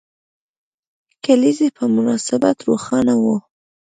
کلیزې په مناسبت روښانه وو.